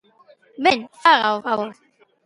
Ben, faga o favor.